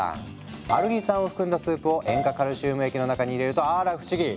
アルギン酸を含んだスープを塩化カルシウム液の中に入れるとあら不思議。